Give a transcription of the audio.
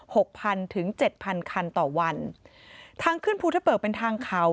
หกพันถึงเจ็ดพันคันต่อวันทางขึ้นภูทะเปิกเป็นทางเขา